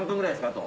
あと。